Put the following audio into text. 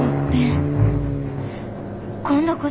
今度こそ。